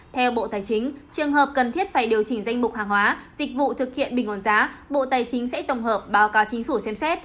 theo bộ tài chính trường hợp cần thiết phải điều chỉnh danh mục hàng hóa dịch vụ thực hiện bình ổn giá bộ tài chính sẽ tổng hợp báo cáo chính phủ xem xét